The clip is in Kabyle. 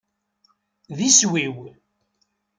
D iswi-w.